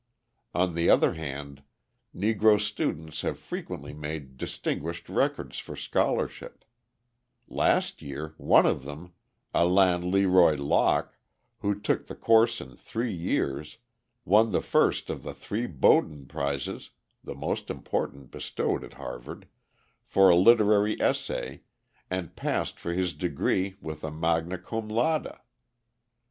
On the other hand, Negro students have frequently made distinguished records for scholarship: last year one of them, Alain Leroy Locke, who took the course in three years, won the first of the three Bowdoin prizes (the most important bestowed at Harvard) for a literary essay, and passed for his degree with a magna cum laude.